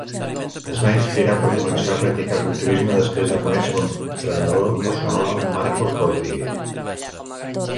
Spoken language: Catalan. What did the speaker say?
Es va inspirar per començar a practicar culturisme després de conèixer l'entrenador personal Marcos Rodríguez.